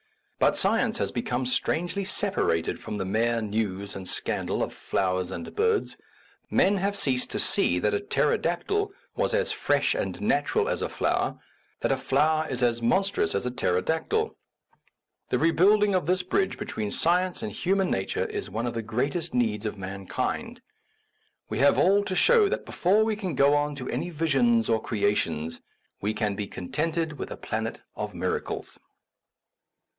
But science has become strangely separated from the mere news and scandal of flowers and birds ; men have ceased to see that a pterodactyl was as fresh and natural as a flower, that a flower is as mon trous as a pterodactyl. The rebuilding of this bridge between science and human na ture is one of the greatest needs of man kind. We have all to show that before we go on to any visions or creations we can be contented with a planet of miracles.